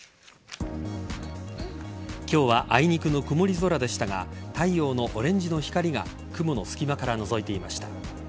今日はあいにくの曇り空でしたが太陽のオレンジの光が雲の隙間からのぞいていました。